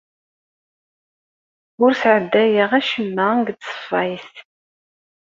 Ur sɛeddayeɣ acemma deg tṣeffayt.